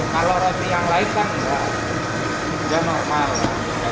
kalau roti yang lain kan enggak normal